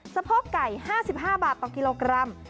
สะโพกไก่๕๕บาทต่อกิโลกรัม